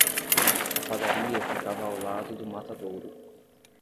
A padaria ficava ao lado do matadouro.